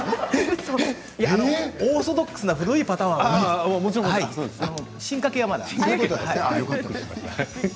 オーソドックスな古いパターンはもちろんですが進化形はまだです。